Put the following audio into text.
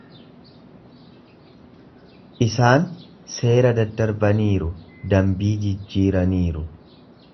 Isaan seera daddarbaniiru, dambii jijjiiraniiru.